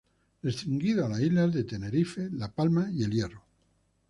Restringido a las islas de Tenerife, La Palma y El Hierro.